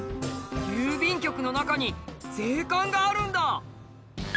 郵便局の中に税関があるんだ。